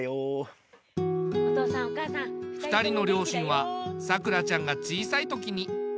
２人の両親はさくらちゃんが小さい時に亡くなってるんだ。